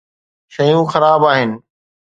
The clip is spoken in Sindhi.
شيون خراب آهن.